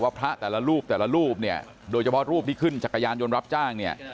พระแต่ละรูปแต่ละรูปเนี่ยโดยเฉพาะรูปที่ขึ้นจักรยานยนต์รับจ้างเนี่ย